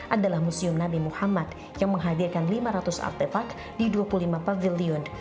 adalah museum nabi muhammad yang menghadirkan lima ratus artefak di dua puluh lima pavilion